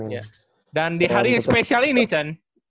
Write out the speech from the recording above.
ya dan di hari yang spesial ini cen